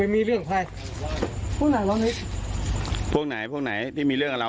มีเรื่องใครพวกไหนพวกนี้พวกไหนพวกไหนที่มีเรื่องกับเรา